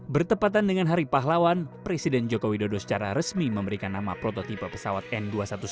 bertepatan dengan hari pahlawan presiden joko widodo secara resmi memberikan nama prototipe pesawat n dua ratus dua belas